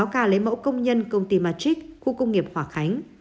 sáu ca lấy mẫu công nhân công ty magic khu công nghiệp hỏa khánh